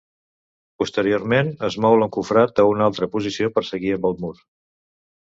Posteriorment, es mou l'encofrat a una altra posició per seguir amb el mur.